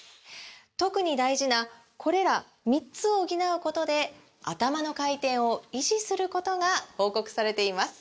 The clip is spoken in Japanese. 特に大事なこれら３つを補うことでアタマの回転を維持することが報告されています